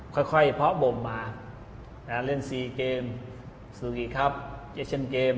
ค่อยเพาะบมมาแล้วเล่นสี่เกมสุขีครับเอชั่นเกม